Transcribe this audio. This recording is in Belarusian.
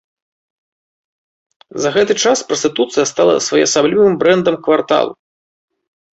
За гэты час прастытуцыя стала своеасаблівым брэндам кварталу.